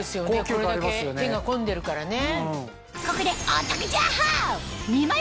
これだけ手が込んでるからね。